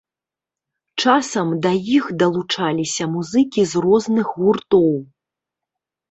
Часам да іх далучаліся музыкі з розных гуртоў.